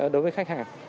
đối với khách hàng